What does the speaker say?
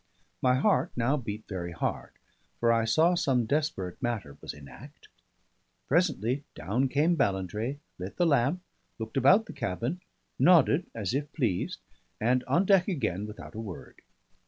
My heart now beat very hard, for I saw some desperate matter was in act. Presently down came Ballantrae, lit the lamp, looked about the cabin, nodded as if pleased, and on deck again without a word.